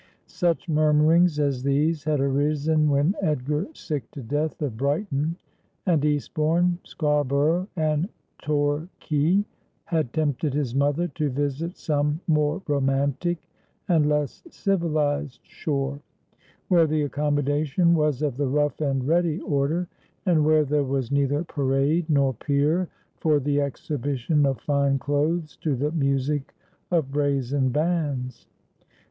Such murmurings as these had arisen when Edgar, sick to death of Brighton and Eastbourne, Scarborough and Torquay, had tempted his mother to visit some more romantic and less civilised shore ; where the accommodation was of the rough and ready order, and where there was neither parade nor pier for the exhibition of fine clothes to the music of brazen bands.